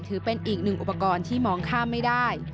ถือเป็นอีกหนึ่งอุปกรณ์ที่มองข้ามไม่ได้